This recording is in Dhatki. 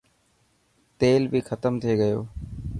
تيل بي ختم ٿي گيو.